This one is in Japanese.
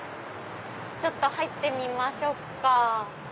ちょっと入ってみましょっか。